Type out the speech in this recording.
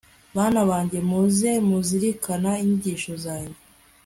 bana banjye, mujye muzirikana inyigisho zanjye